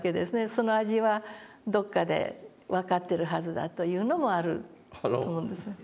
その味はどこかで分かってるはずだというのもあると思うんですね。